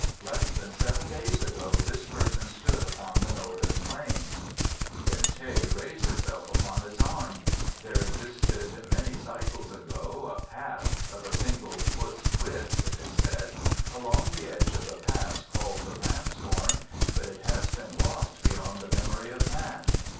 "Less than seven days ago this person stood upon the northern plains." Ten teh raised himself upon his arm. "There existed, many cycles ago, a path of a single foot's width, it is said along the edge of the Pass called the Ram's Horn, but it has been lost beyond the memory of man."